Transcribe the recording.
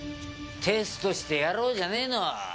テストしてやろうじゃねえの。